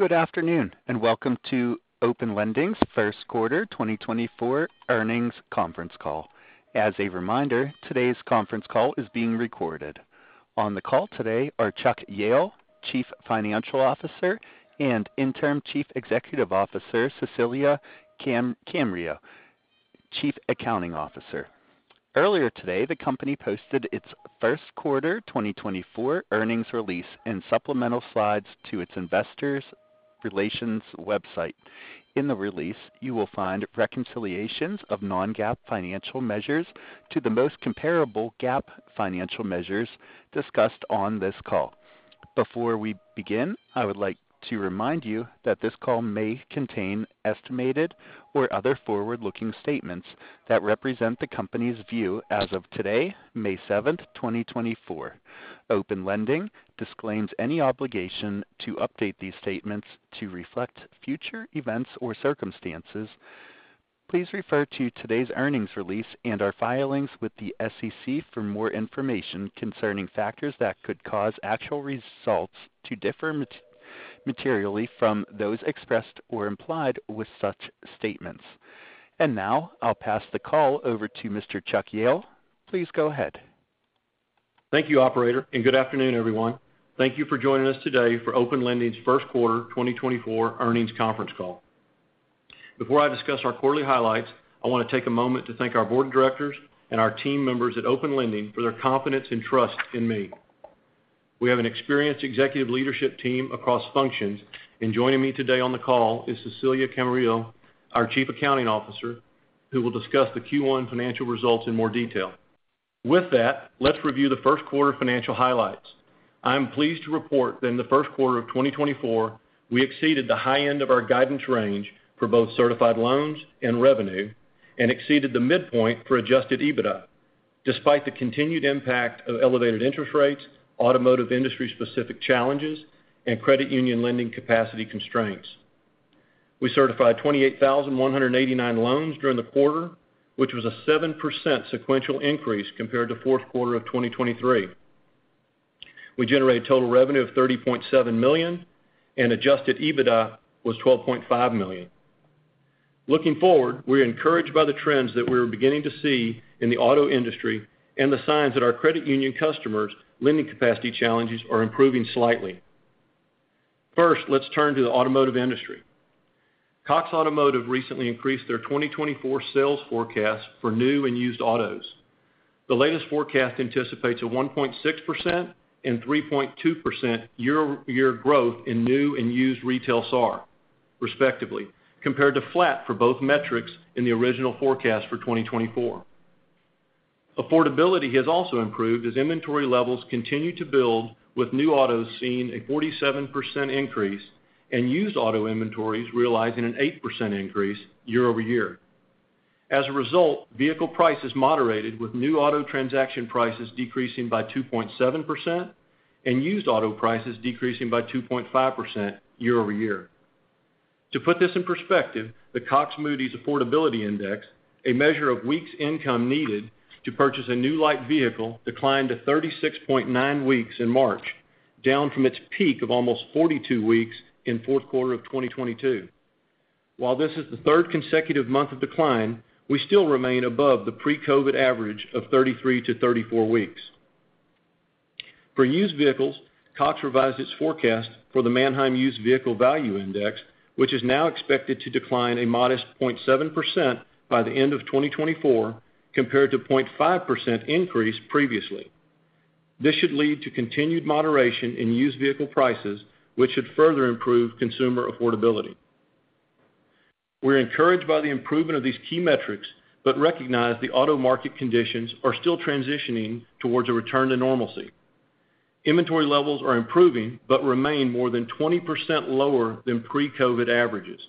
Good afternoon and welcome to Open Lending's first quarter 2024 earnings conference call. As a reminder, today's conference call is being recorded. On the call today are Chuck Jehl, Chief Financial Officer, and Interim Chief Executive Officer, Cecilia Camarillo, Chief Accounting Officer. Earlier today, the company posted its first quarter 2024 earnings release and supplemental slides to its investors' relations website. In the release, you will find reconciliations of non-GAAP financial measures to the most comparable GAAP financial measures discussed on this call. Before we begin, I would like to remind you that this call may contain estimated or other forward-looking statements that represent the company's view as of today, May 7, 2024. Open Lending disclaims any obligation to update these statements to reflect future events or circumstances. Please refer to today's earnings release and our filings with the SEC for more information concerning factors that could cause actual results to differ materially from those expressed or implied with such statements. And now I'll pass the call over to Mr. Chuck Jehl. Please go ahead. Thank you, Operator, and good afternoon, everyone. Thank you for joining us today for Open Lending's first quarter 2024 earnings conference call. Before I discuss our quarterly highlights, I want to take a moment to thank our board of directors and our team members at Open Lending for their confidence and trust in me. We have an experienced executive leadership team across functions, and joining me today on the call is Cecilia Camarillo, our Chief Accounting Officer, who will discuss the Q1 financial results in more detail. With that, let's review the first quarter financial highlights. I am pleased to report that in the first quarter of 2024, we exceeded the high end of our guidance range for both certified loans and revenue and exceeded the midpoint for Adjusted EBITDA, despite the continued impact of elevated interest rates, automotive industry-specific challenges, and credit union lending capacity constraints. We certified 28,189 loans during the quarter, which was a 7% sequential increase compared to fourth quarter of 2023. We generated total revenue of $30.7 million, and Adjusted EBITDA was $12.5 million. Looking forward, we are encouraged by the trends that we are beginning to see in the auto industry and the signs that our credit union customers' lending capacity challenges are improving slightly. First, let's turn to the automotive industry. Cox Automotive recently increased their 2024 sales forecast for new and used autos. The latest forecast anticipates a 1.6% and 3.2% year-over-year growth in new and used retail SAR, respectively, compared to flat for both metrics in the original forecast for 2024. Affordability has also improved as inventory levels continue to build, with new autos seeing a 47% increase and used auto inventories realizing an 8% increase year-over-year. As a result, vehicle prices moderated, with new auto transaction prices decreasing by 2.7% and used auto prices decreasing by 2.5% year-over-year. To put this in perspective, the Cox Moody's Affordability Index, a measure of weeks' income needed to purchase a new light vehicle, declined to 36.9 weeks in March, down from its peak of almost 42 weeks in fourth quarter of 2022. While this is the third consecutive month of decline, we still remain above the pre-COVID average of 33-34 weeks. For used vehicles, Cox revised its forecast for the Manheim Used Vehicle Value Index, which is now expected to decline a modest 0.7% by the end of 2024 compared to a 0.5% increase previously. This should lead to continued moderation in used vehicle prices, which should further improve consumer affordability. We are encouraged by the improvement of these key metrics but recognize the auto market conditions are still transitioning towards a return to normalcy. Inventory levels are improving but remain more than 20% lower than pre-COVID averages,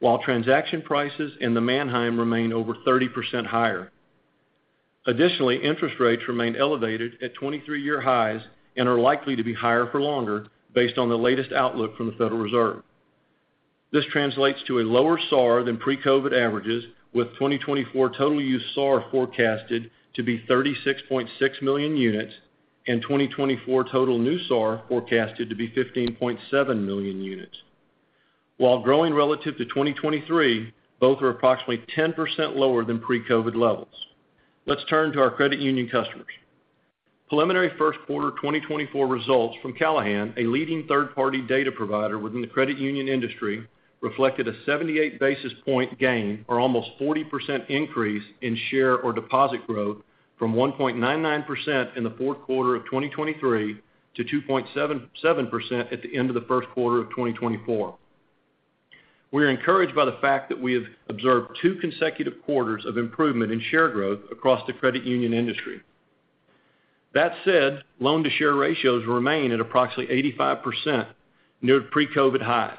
while transaction prices in the Manheim remain over 30% higher. Additionally, interest rates remain elevated at 23-year highs and are likely to be higher for longer based on the latest outlook from the Federal Reserve. This translates to a lower SAR than pre-COVID averages, with 2024 total used SAR forecasted to be 36.6 million units and 2024 total new SAR forecasted to be 15.7 million units. While growing relative to 2023, both are approximately 10% lower than pre-COVID levels. Let's turn to our credit union customers. Preliminary first quarter 2024 results from Callahan, a leading third-party data provider within the credit union industry, reflected a 78 basis point gain or almost 40% increase in share or deposit growth from 1.99% in the fourth quarter of 2023 to 2.77% at the end of the first quarter of 2024. We are encouraged by the fact that we have observed two consecutive quarters of improvement in share growth across the credit union industry. That said, loan-to-share ratios remain at approximately 85% near pre-COVID highs.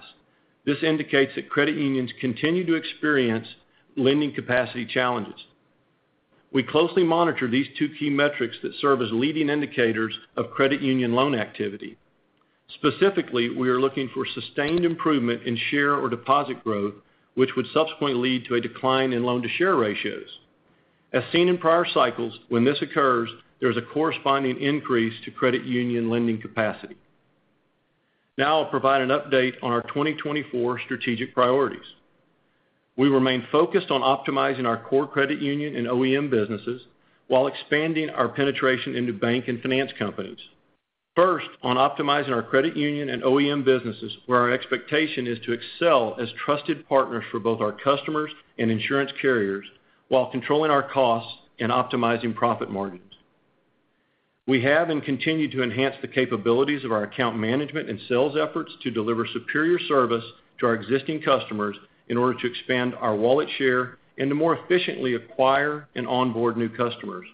This indicates that credit unions continue to experience lending capacity challenges. We closely monitor these two key metrics that serve as leading indicators of credit union loan activity. Specifically, we are looking for sustained improvement in share or deposit growth, which would subsequently lead to a decline in loan-to-share ratios. As seen in prior cycles, when this occurs, there is a corresponding increase to credit union lending capacity. Now I'll provide an update on our 2024 strategic priorities. We remain focused on optimizing our core credit union and OEM businesses while expanding our penetration into bank and finance companies. First, on optimizing our credit union and OEM businesses, where our expectation is to excel as trusted partners for both our customers and insurance carriers while controlling our costs and optimizing profit margins. We have and continue to enhance the capabilities of our account management and sales efforts to deliver superior service to our existing customers in order to expand our wallet share and to more efficiently acquire and onboard new customers.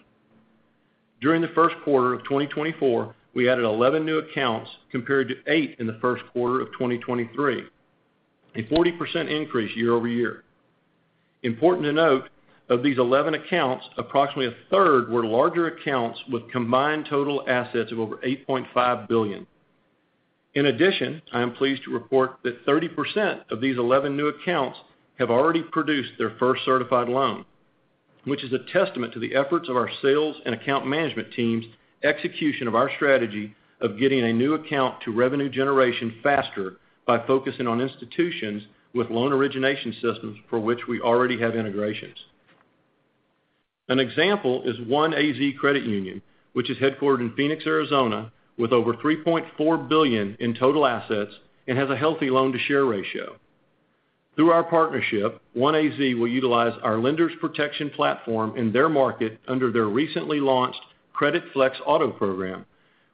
During the first quarter of 2024, we added 11 new accounts compared to 8 in the first quarter of 2023, a 40% increase year-over-year. Important to note, of these 11 accounts, approximately a third were larger accounts with combined total assets of over $8.5 billion. In addition, I am pleased to report that 30% of these 11 new accounts have already produced their first certified loan, which is a testament to the efforts of our sales and account management team's execution of our strategy of getting a new account to revenue generation faster by focusing on institutions with loan origination systems for which we already have integrations. An example is OneAZ Credit Union, which is headquartered in Phoenix, Arizona, with over $3.4 billion in total assets and has a healthy loan-to-share ratio. Through our partnership, OneAZ will utilize our Lenders Protection platform in their market under their recently launched CreditFlex Auto Program,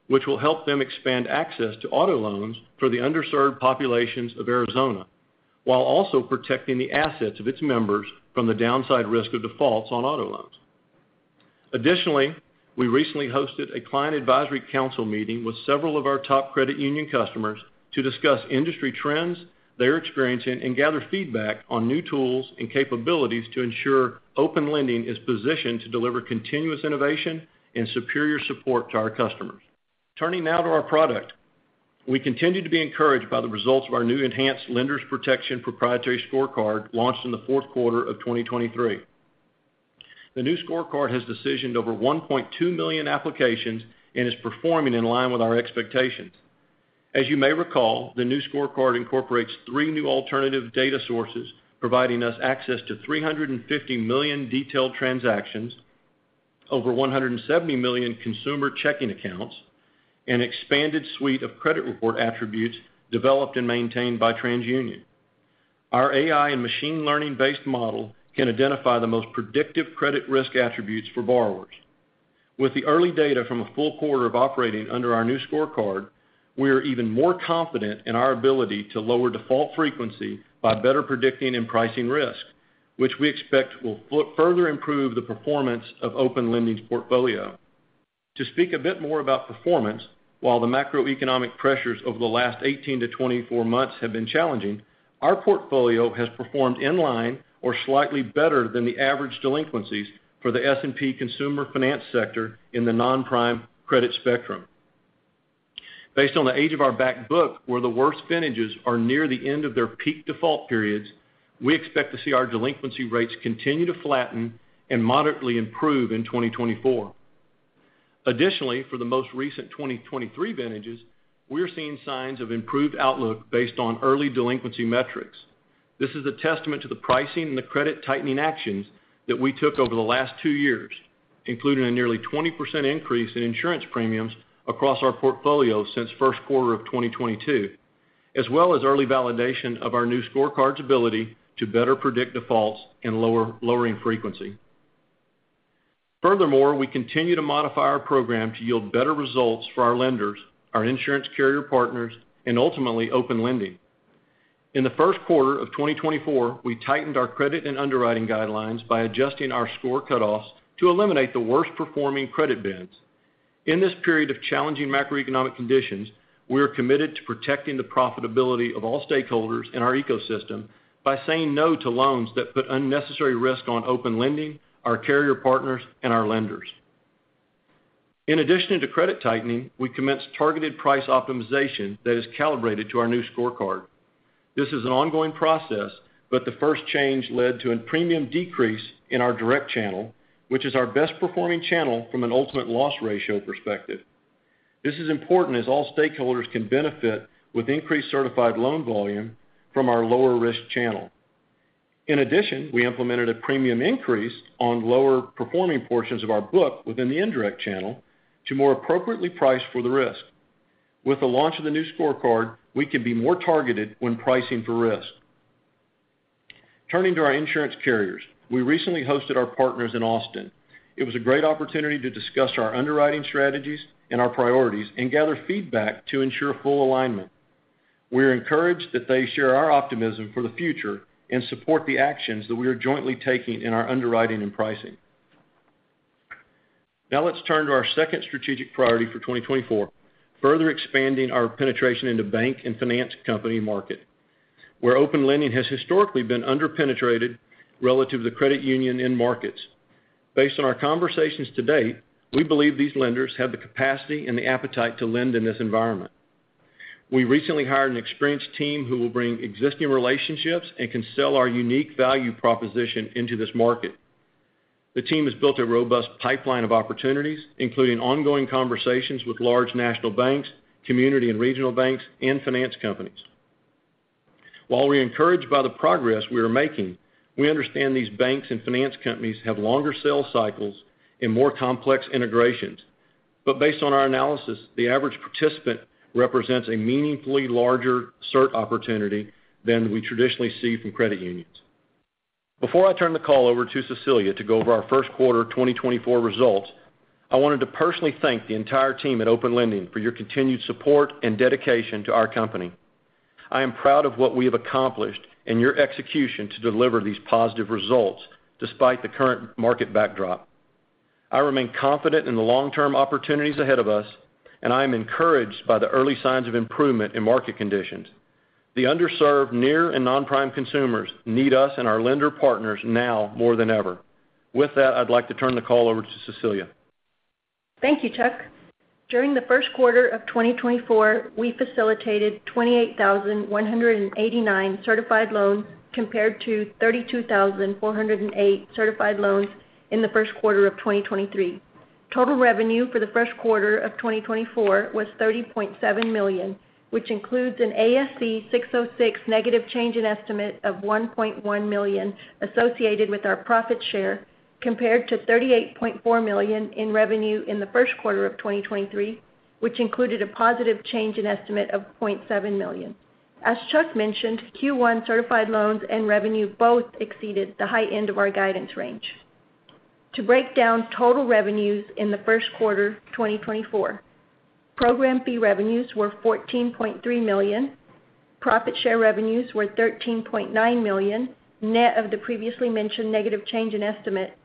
which will help them expand access to auto loans for the underserved populations of Arizona while also protecting the assets of its members from the downside risk of defaults on auto loans. Additionally, we recently hosted a client advisory council meeting with several of our top credit union customers to discuss industry trends they're experiencing and gather feedback on new tools and capabilities to ensure Open Lending is positioned to deliver continuous innovation and superior support to our customers. Turning now to our product, we continue to be encouraged by the results of our new enhanced Lenders Protection proprietary scorecard launched in the fourth quarter of 2023. The new scorecard has decisioned over 1.2 million applications and is performing in line with our expectations. As you may recall, the new scorecard incorporates three new alternative data sources providing us access to 350 million detailed transactions, over 170 million consumer checking accounts, and an expanded suite of credit report attributes developed and maintained by TransUnion. Our AI and machine learning-based model can identify the most predictive credit risk attributes for borrowers. With the early data from a full quarter of operating under our new scorecard, we are even more confident in our ability to lower default frequency by better predicting and pricing risk, which we expect will further improve the performance of Open Lending's portfolio. To speak a bit more about performance, while the macroeconomic pressures over the last 18-24 months have been challenging, our portfolio has performed in line or slightly better than the average delinquencies for the S&P consumer finance sector in the non-prime credit spectrum. Based on the age of our backbook, where the worst finishes are near the end of their peak default periods, we expect to see our delinquency rates continue to flatten and moderately improve in 2024. Additionally, for the most recent 2023 vintages, we are seeing signs of improved outlook based on early delinquency metrics. This is a testament to the pricing and the credit tightening actions that we took over the last two years, including a nearly 20% increase in insurance premiums across our portfolio since first quarter of 2022, as well as early validation of our new scorecard's ability to better predict defaults and lowering frequency. Furthermore, we continue to modify our program to yield better results for our lenders, our insurance carrier partners, and ultimately Open Lending. In the first quarter of 2024, we tightened our credit and underwriting guidelines by adjusting our score cutoffs to eliminate the worst performing credit bands. In this period of challenging macroeconomic conditions, we are committed to protecting the profitability of all stakeholders in our ecosystem by saying no to loans that put unnecessary risk on Open Lending, our carrier partners, and our lenders. In addition to credit tightening, we commence targeted price optimization that is calibrated to our new scorecard. This is an ongoing process, but the first change led to a premium decrease in our direct channel, which is our best performing channel from an ultimate loss ratio perspective. This is important as all stakeholders can benefit with increased certified loan volume from our lower risk channel. In addition, we implemented a premium increase on lower performing portions of our book within the indirect channel to more appropriately price for the risk. With the launch of the new scorecard, we can be more targeted when pricing for risk. Turning to our insurance carriers, we recently hosted our partners in Austin. It was a great opportunity to discuss our underwriting strategies and our priorities and gather feedback to ensure full alignment. We are encouraged that they share our optimism for the future and support the actions that we are jointly taking in our underwriting and pricing. Now let's turn to our second strategic priority for 2024, further expanding our penetration into bank and finance company market, where Open Lending has historically been underpenetrated relative to the credit union in markets. Based on our conversations to date, we believe these lenders have the capacity and the appetite to lend in this environment. We recently hired an experienced team who will bring existing relationships and can sell our unique value proposition into this market. The team has built a robust pipeline of opportunities, including ongoing conversations with large national banks, community and regional banks, and finance companies. While we are encouraged by the progress we are making, we understand these banks and finance companies have longer sales cycles and more complex integrations. But based on our analysis, the average participant represents a meaningfully larger cert opportunity than we traditionally see from credit unions. Before I turn the call over to Cecilia to go over our first quarter 2024 results, I wanted to personally thank the entire team at Open Lending for your continued support and dedication to our company. I am proud of what we have accomplished and your execution to deliver these positive results despite the current market backdrop. I remain confident in the long-term opportunities ahead of us, and I am encouraged by the early signs of improvement in market conditions. The underserved, near, and non-prime consumers need us and our lender partners now more than ever. With that, I'd like to turn the call over to Cecilia. Thank you, Chuck. During the first quarter of 2024, we facilitated 28,189 certified loans compared to 32,408 certified loans in the first quarter of 2023. Total revenue for the first quarter of 2024 was $30.7 million, which includes an ASC 606 negative change in estimate of $1.1 million associated with our profit share compared to $38.4 million in revenue in the first quarter of 2023, which included a positive change in estimate of $0.7 million. As Chuck mentioned, Q1 certified loans and revenue both exceeded the high end of our guidance range. To break down total revenues in the first quarter 2024, program fee revenues were $14.3 million, profit share revenues were $13.9 million, net of the previously mentioned negative change in estimate,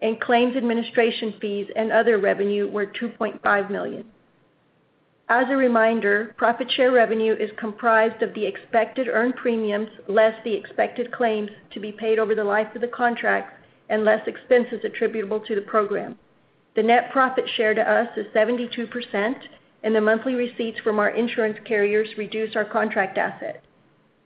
and claims administration fees and other revenue were $2.5 million. As a reminder, profit share revenue is comprised of the expected earned premiums less the expected claims to be paid over the life of the contract and less expenses attributable to the program. The net profit share to us is 72%, and the monthly receipts from our insurance carriers reduce our contract asset.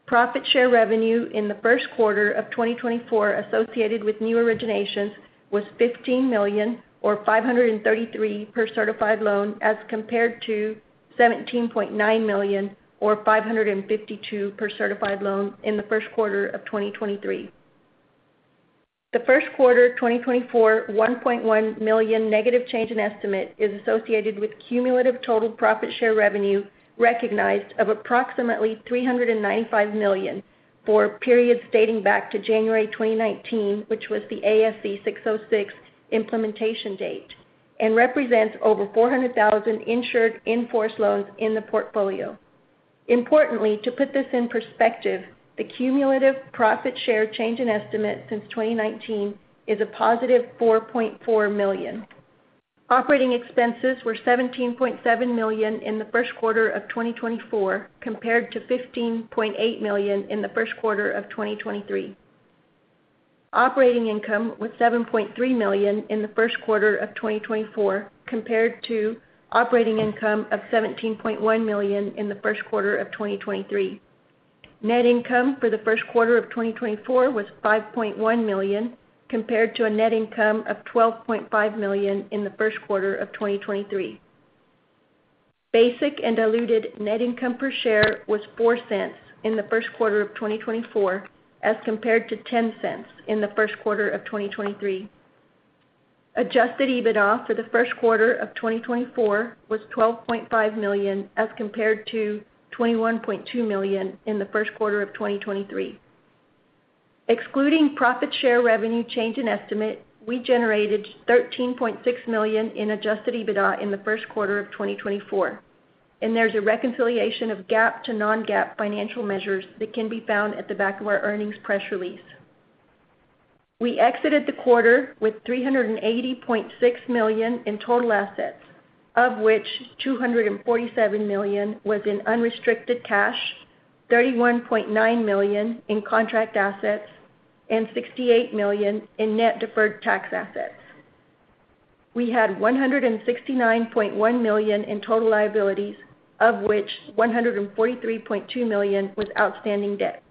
Profit share revenue in the first quarter of 2024 associated with new originations was $15 million or $533 per certified loan as compared to $17.9 million or $552 per certified loan in the first quarter of 2023. The first quarter 2024 $1.1 million negative change in estimate is associated with cumulative total profit share revenue recognized of approximately $395 million for periods dating back to January 2019, which was the ASC 606 implementation date, and represents over 400,000 insured in-force loans in the portfolio. Importantly, to put this in perspective, the cumulative profit share change in estimate since 2019 is a positive $4.4 million. Operating expenses were $17.7 million in the first quarter of 2024 compared to $15.8 million in the first quarter of 2023. Operating income was $7.3 million in the first quarter of 2024 compared to operating income of $17.1 million in the first quarter of 2023. Net income for the first quarter of 2024 was $5.1 million compared to a net income of $12.5 million in the first quarter of 2023. Basic and diluted net income per share was $0.04 in the first quarter of 2024 as compared to $0.10 in the first quarter of 2023. Adjusted EBITDA for the first quarter of 2024 was $12.5 million as compared to $21.2 million in the first quarter of 2023. Excluding profit share revenue change in estimate, we generated $13.6 million in Adjusted EBITDA in the first quarter of 2024. And there's a reconciliation of GAAP to non-GAAP financial measures that can be found at the back of our earnings press release. We exited the quarter with $380.6 million in total assets, of which $247 million was in unrestricted cash, $31.9 million in contract assets, and $68 million in net deferred tax assets. We had $169.1 million in total liabilities, of which $143.2 million was outstanding debt.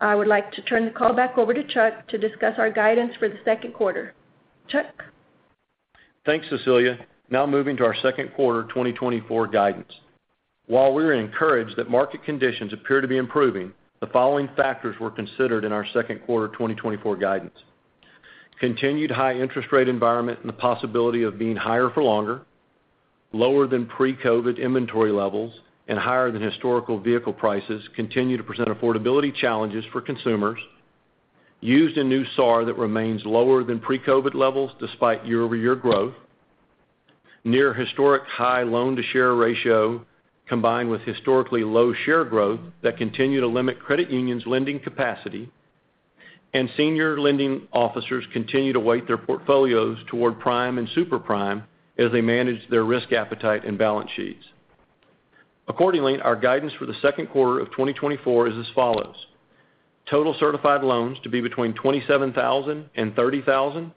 I would like to turn the call back over to Chuck to discuss our guidance for the second quarter. Chuck? Thanks, Cecilia. Now moving to our second quarter 2024 guidance. While we are encouraged that market conditions appear to be improving, the following factors were considered in our second quarter 2024 guidance. Continued high interest rate environment and the possibility of being higher for longer, lower than pre-COVID inventory levels, and higher than historical vehicle prices continue to present affordability challenges for consumers. Used and new SAR that remains lower than pre-COVID levels despite year-over-year growth. Near historic high loan-to-share ratio combined with historically low share growth that continue to limit credit unions' lending capacity. And senior lending officers continue to weight their portfolios toward prime and super prime as they manage their risk appetite and balance sheets. Accordingly, our guidance for the second quarter of 2024 is as follows. Total certified loans to be between 27,000 and 30,000.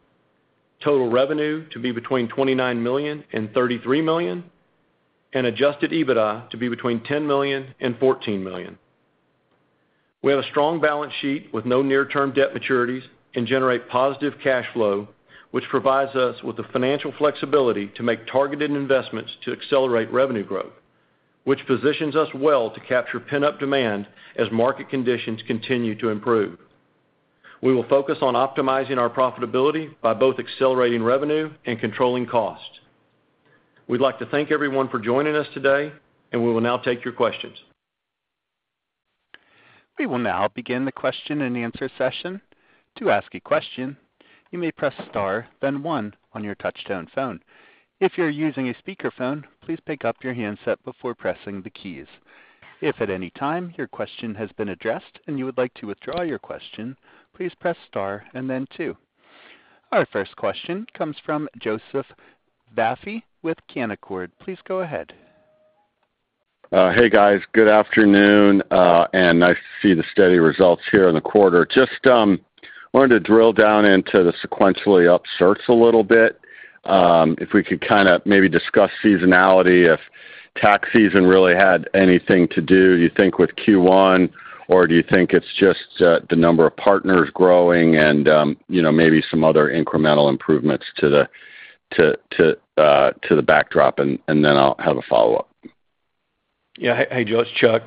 Total revenue to be between $29 million and $33 million. Adjusted EBITDA to be between $10 million and $14 million. We have a strong balance sheet with no near-term debt maturities and generate positive cash flow, which provides us with the financial flexibility to make targeted investments to accelerate revenue growth, which positions us well to capture pent-up demand as market conditions continue to improve. We will focus on optimizing our profitability by both accelerating revenue and controlling costs. We'd like to thank everyone for joining us today, and we will now take your questions. We will now begin the question and answer session. To ask a question, you may press star, then one on your touch-tone phone. If you're using a speakerphone, please pick up your handset before pressing the keys. If at any time your question has been addressed and you would like to withdraw your question, please press star and then two. Our first question comes from Joseph Vafi with Canaccord. Please go ahead. Hey, guys. Good afternoon, and nice to see the steady results here in the quarter. Just wanted to drill down into the sequentially up certs a little bit. If we could kind of maybe discuss seasonality, if tax season really had anything to do, do you think, with Q1, or do you think it's just the number of partners growing and maybe some other incremental improvements to the backdrop, and then I'll have a follow-up. Yeah. Hey, Josh. Chuck.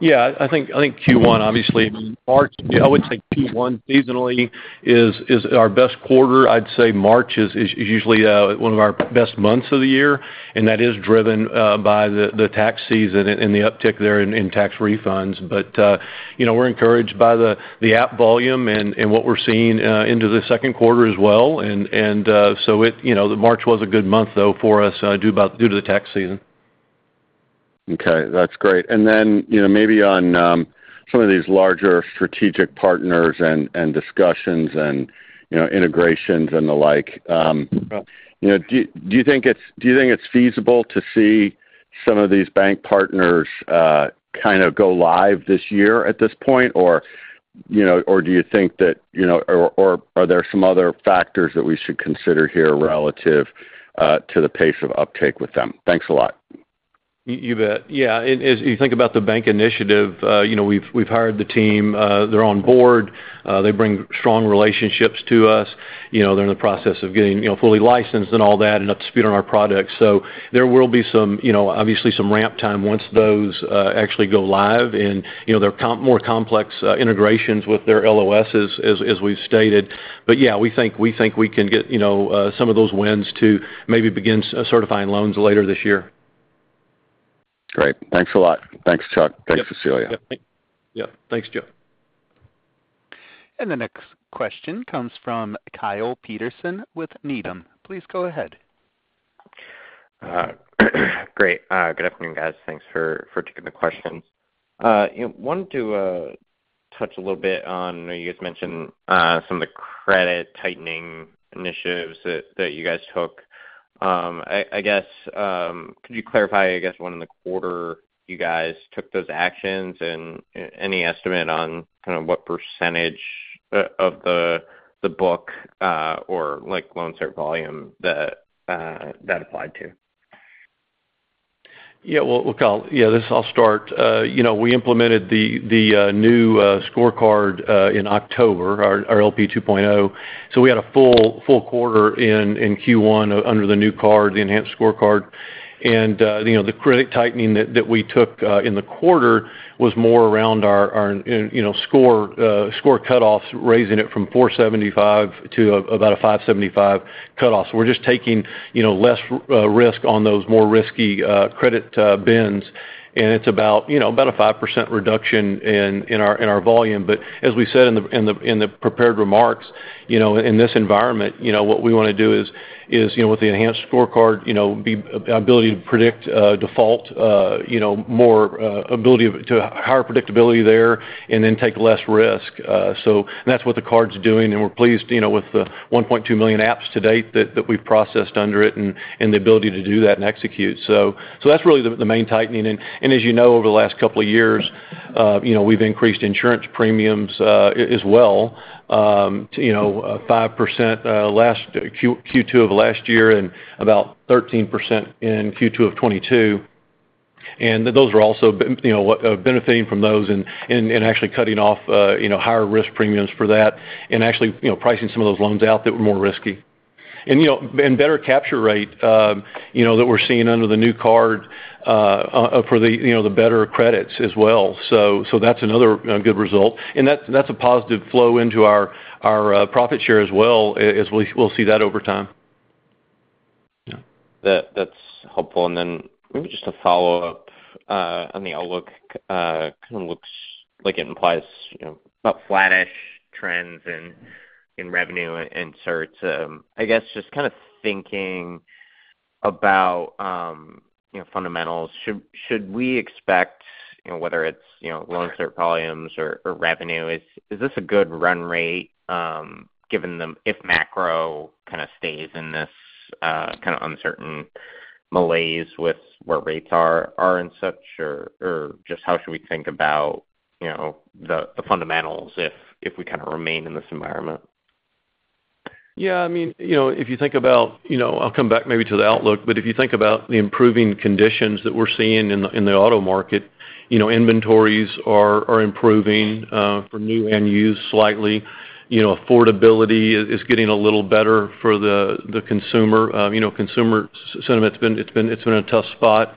Yeah, I think Q1, obviously. I would say Q1 seasonally is our best quarter. I'd say March is usually one of our best months of the year, and that is driven by the tax season and the uptick there in tax refunds. But we're encouraged by the app volume and what we're seeing into the second quarter as well. And so March was a good month, though, for us due to the tax season. Okay. That's great. And then maybe on some of these larger strategic partners and discussions and integrations and the like, do you think it's feasible to see some of these bank partners kind of go live this year at this point, or do you think that or are there some other factors that we should consider here relative to the pace of uptake with them? Thanks a lot. You bet. Yeah. As you think about the bank initiative, we've hired the team. They're on board. They bring strong relationships to us. They're in the process of getting fully licensed and all that and up to speed on our products. So there will be some, obviously, some ramp time once those actually go live and their more complex integrations with their LOSs, as we've stated. But yeah, we think we can get some of those wins to maybe begin certifying loans later this year. Great. Thanks a lot. Thanks, Chuck. Thanks, Cecilia. Yeah. Thanks, Joe. The next question comes from Kyle Peterson with Needham. Please go ahead. Great. Good afternoon, guys. Thanks for taking the questions. I wanted to touch a little bit on you guys mentioned some of the credit tightening initiatives that you guys took. I guess could you clarify, I guess, when in the quarter you guys took those actions and any estimate on kind of what percentage of the book or loan cert volume that applied to? Yeah. Well, Kyle, yeah, this I'll start. We implemented the new scorecard in October, our LP 2.0. So we had a full quarter in Q1 under the new scorecard, the enhanced scorecard. And the credit tightening that we took in the quarter was more around our score cutoffs, raising it from 475 to about a 575 cutoff. So we're just taking less risk on those more risky credit bins. And it's about a 5% reduction in our volume. But as we said in the prepared remarks, in this environment, what we want to do is, with the enhanced scorecard, be ability to predict default, more ability to higher predictability there, and then take less risk. And that's what the scorecard's doing. And we're pleased with the 1.2 million apps to date that we've processed under it and the ability to do that and execute. So that's really the main tightening. As you know, over the last couple of years, we've increased insurance premiums as well, 5% last Q2 of last year and about 13% in Q2 of 2022. Those are also benefiting from those and actually cutting off higher risk premiums for that and actually pricing some of those loans out that were more risky. Better capture rate that we're seeing under the new scorecard for the better credits as well. So that's another good result. That's a positive flow into our profit share as well, as we'll see that over time. That's helpful. Then maybe just a follow-up on the outlook. Kind of looks like it implies about flat-ish trends in revenue and certs. I guess just kind of thinking about fundamentals, should we expect, whether it's loan cert volumes or revenue, is this a good run rate given if macro kind of stays in this kind of uncertain malaise with where rates are and such, or just how should we think about the fundamentals if we kind of remain in this environment? Yeah. I mean, if you think about, I'll come back maybe to the outlook, but if you think about the improving conditions that we're seeing in the auto market, inventories are improving for new and used slightly. Affordability is getting a little better for the consumer. Consumer sentiment, it's been a tough spot.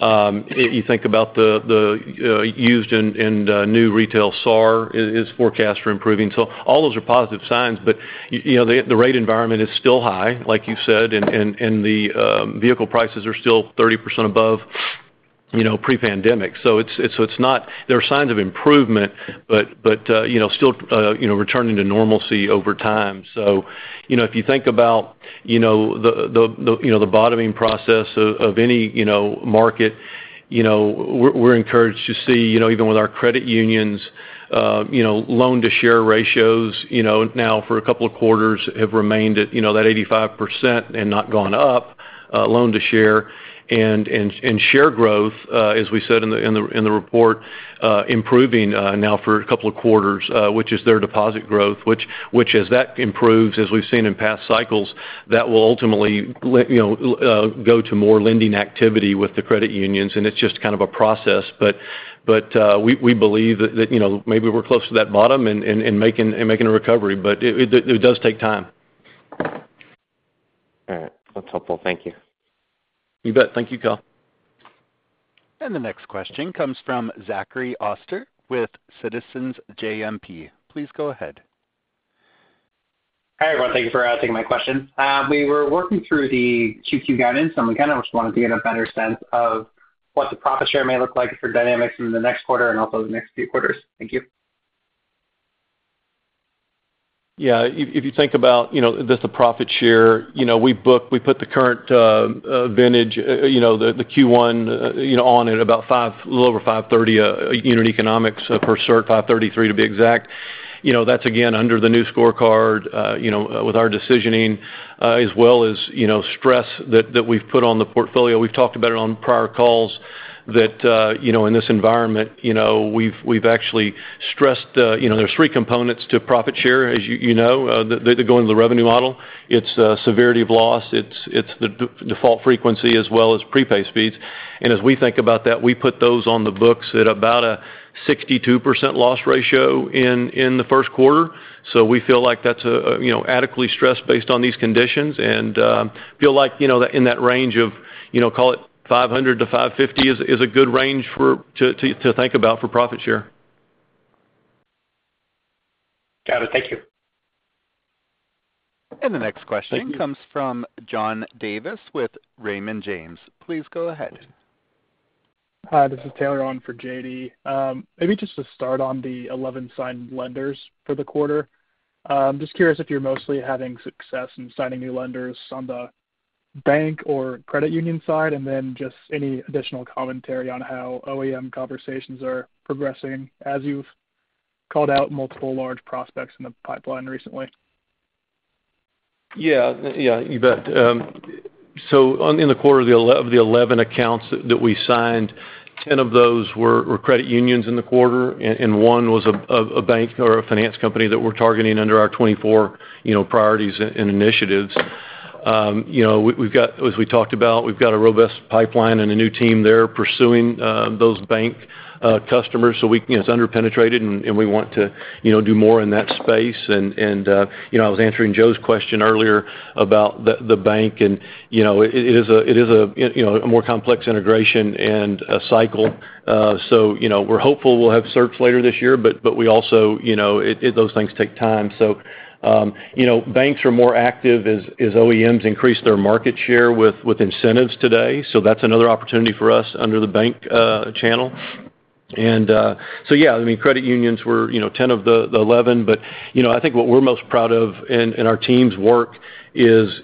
You think about the used and new retail SAR, its forecasts are improving. So all those are positive signs. But the rate environment is still high, like you said, and the vehicle prices are still 30% above pre-pandemic. So there are signs of improvement, but still returning to normalcy over time. So if you think about the bottoming process of any market, we're encouraged to see, even with our credit unions, loan-to-share ratios now for a couple of quarters have remained at that 85% and not gone up, loan-to-share. And share growth, as we said in the report, improving now for a couple of quarters, which is their deposit growth. Which, as that improves, as we've seen in past cycles, that will ultimately go to more lending activity with the credit unions. And it's just kind of a process. But we believe that maybe we're close to that bottom and making a recovery. But it does take time. All right. That's helpful. Thank you. You bet. Thank you, Kyle. The next question comes from Zachary Oster with Citizens JMP. Please go ahead. Hi, everyone. Thank you for taking my question. We were working through the Q2 guidance, and we kind of just wanted to get a better sense of what the Profit Share may look like for dynamics in the next quarter and also the next few quarters. Thank you. Yeah. If you think about just the Profit Share, we put the current vintage, the Q1, on at about a little over $530 unit economics per cert, $533 to be exact. That's, again, under the new scorecard with our decisioning as well as stress that we've put on the portfolio. We've talked about it on prior calls that in this environment, we've actually stressed there's three components to Profit Share, as you know, going to the revenue model. It's severity of loss. It's the default frequency as well as prepay speeds. And as we think about that, we put those on the books at about a 62% loss ratio in the first quarter. So we feel like that's adequately stressed based on these conditions and feel like in that range of, call it $500-$550, is a good range to think about for Profit Share. Got it. Thank you. The next question comes from John Davis with Raymond James. Please go ahead. Hi. This is Taylor on for J.D. Maybe just to start on the 11 signed lenders for the quarter. Just curious if you're mostly having success in signing new lenders on the bank or credit union side, and then just any additional commentary on how OEM conversations are progressing as you've called out multiple large prospects in the pipeline recently. Yeah. Yeah. You bet. So in the quarter of the 11 accounts that we signed, 10 of those were credit unions in the quarter, and one was a bank or a finance company that we're targeting under our 2024 priorities and initiatives. As we talked about, we've got a robust pipeline and a new team there pursuing those bank customers. So it's underpenetrated, and we want to do more in that space. And I was answering Joe's question earlier about the bank, and it is a more complex integration and a cycle. So we're hopeful we'll have certs later this year, but we also those things take time. So banks are more active as OEMs increase their market share with incentives today. So that's another opportunity for us under the bank channel. And so yeah, I mean, credit unions were 10 of the 11, but I think what we're most proud of in our team's work is,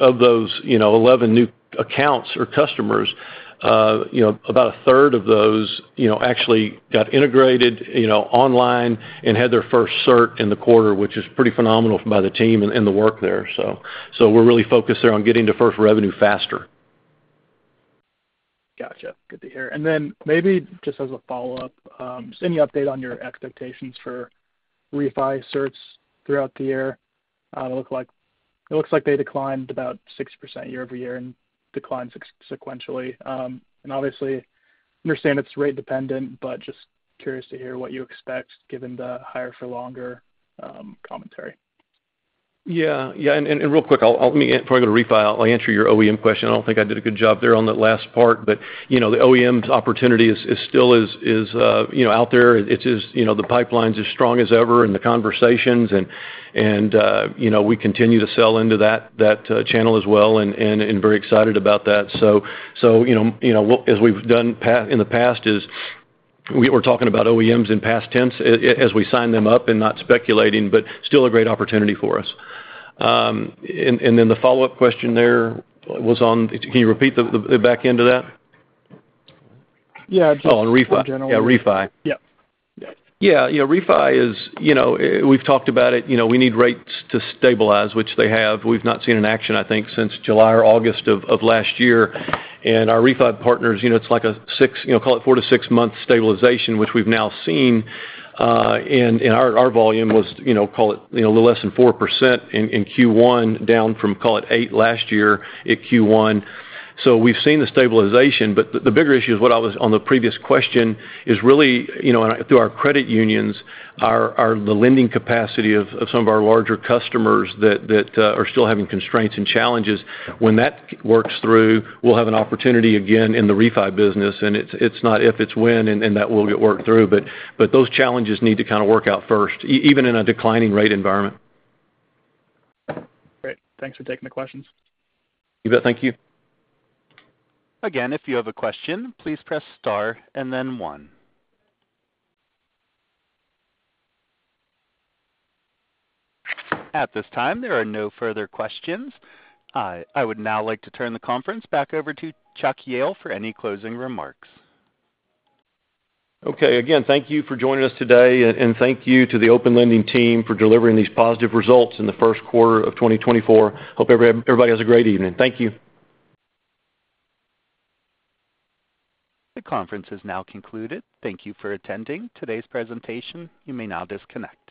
of those 11 new accounts or customers, about a third of those actually got integrated online and had their first cert in the quarter, which is pretty phenomenal by the team and the work there. So we're really focused there on getting to first revenue faster. Gotcha. Good to hear. And then maybe just as a follow-up, just any update on your expectations for refi certs throughout the year? It looks like they declined about 60% year-over-year and declined sequentially. And obviously, understand it's rate-dependent, but just curious to hear what you expect given the higher-for-longer commentary. Yeah. Yeah. And real quick, before I go to refi, I'll answer your OEM question. I don't think I did a good job there on that last part, but the OEM's opportunity is still out there. The pipeline's as strong as ever in the conversations, and we continue to sell into that channel as well and very excited about that. So as we've done in the past, we're talking about OEMs in past tense as we sign them up and not speculating, but still a great opportunity for us. And then the follow-up question there was on, can you repeat the back end of that? Yeah. Just in general. Oh, on refi. Yeah. Refi. Yeah. Yeah. Refi is we've talked about it. We need rates to stabilize, which they have. We've not seen an action, I think, since July or August of last year. And our refi partners, it's like a, call it, four to six month stabilization, which we've now seen. And our volume was, call it, a little less than 4% in Q1, down from, call it, 8% last year at Q1. So we've seen the stabilization, but the bigger issue is what I was on the previous question is really, through our credit unions, the lending capacity of some of our larger customers that are still having constraints and challenges. When that works through, we'll have an opportunity again in the refi business. And it's not if, it's when, and that will get worked through. But those challenges need to kind of work out first, even in a declining rate environment. Great. Thanks for taking the questions. You bet. Thank you. Again, if you have a question, please press star and then one. At this time, there are no further questions. I would now like to turn the conference back over to Chuck Jehl for any closing remarks. Okay. Again, thank you for joining us today, and thank you to the Open Lending team for delivering these positive results in the first quarter of 2024. Hope everybody has a great evening. Thank you. The conference is now concluded. Thank you for attending today's presentation. You may now disconnect.